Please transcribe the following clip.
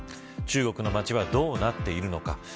中国の街はどうなっているのか。